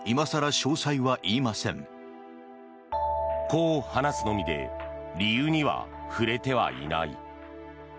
こう話すのみで理由には触れてはいない。